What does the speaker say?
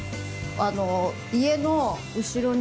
あの。